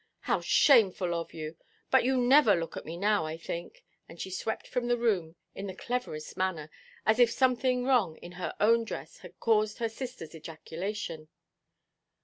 How shameful of you! But you never look at me now, I think." And she swept from the room in the cleverest manner, as if something wrong in her own dress had caused her sisterʼs ejaculation.